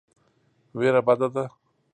وېره بده ده.